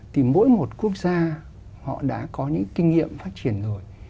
thì mỗi một quốc gia họ đã có những kinh nghiệm phát triển rồi